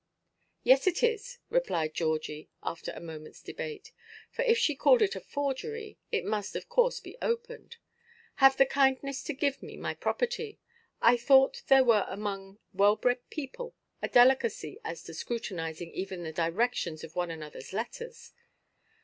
"Yes, it is," replied Georgie, after a momentʼs debate, for if she called it a forgery, it must of course be opened; "have the kindness to give me my property. I thought there was among well–bred people a delicacy as to scrutinizing even the directions of one anotherʼs letters."